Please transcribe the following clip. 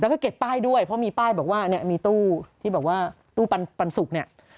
แล้วก็เก็บป้ายด้วยเพราะมีป้ายบอกว่าเนี่ยมีตู้ที่บอกว่าตู้ปันสุกเนี่ย